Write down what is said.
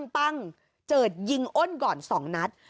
ปั้งเจิดยิงอ้นก่อน๒นัด